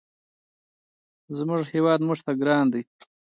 زموږ هېواد موږ ته ګران دی.